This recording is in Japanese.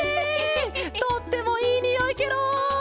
とってもいいにおいケロ！